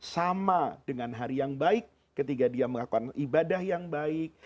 sama dengan hari yang baik ketika dia melakukan ibadah yang baik